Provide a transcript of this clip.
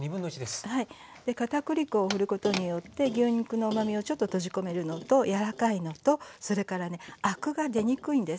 片栗粉をふることによって牛肉のうまみをちょっと閉じ込めるのと柔らかいのとそれからねアクが出にくいんですね。